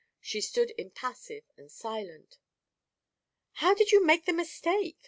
She stood impassive and silent. "How did you make the mistake?"